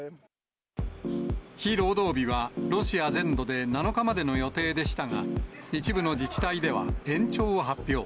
非労働日は、ロシア全土で７日までの予定でしたが、一部の自治体では延長を発表。